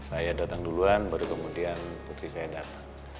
saya datang duluan baru kemudian putri saya datang